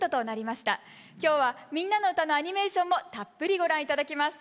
今日は「みんなのうた」のアニメーションもたっぷりご覧頂きます。